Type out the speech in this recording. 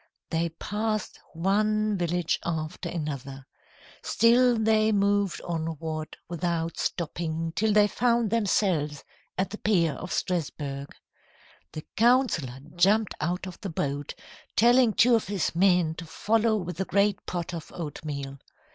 "They passed one village after another. Still they moved onward without stopping, till they found themselves at the pier of Strasburg. "The councillor jumped out of the boat, telling two of his men to follow with the great pot of oatmeal.